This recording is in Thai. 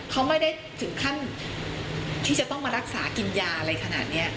เขาไม่ได้ถึงขั้นที่จะต้องมารักษากินยาอะไรขนาดนี้